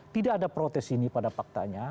tidak ada protes ini pada faktanya